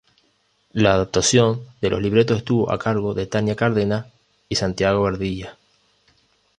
La adaptación de los libretos estuvo a cargo de Tania Cárdenas y Santiago Ardila.